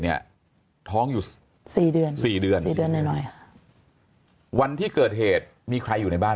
นี้ท้องอยู่๔เดือน๔เดือนวันที่เกิดเหตุมีใครอยู่ในบ้าน